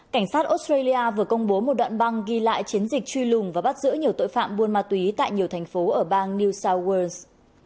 cảnh sát australia vừa công bố một đoạn băng ghi lại chiến dịch truy lùng và bắt giữ nhiều tội phạm buôn ma túy tại nhiều thành phố ở bang new south wales